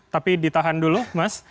tapi ditahan dulu mas